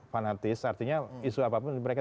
fanatis artinya isu apapun mereka